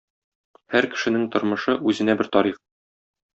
Һәр кешенең тормышы - үзенә бер тарих.